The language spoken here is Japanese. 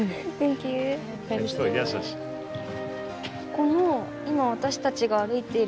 この今私たちが歩いている道。